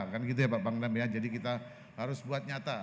kan gitu ya pak pangdam ya jadi kita harus buat nyata